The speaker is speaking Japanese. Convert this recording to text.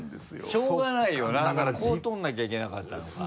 しょうがないよなこう通らなきゃいけなかったのか。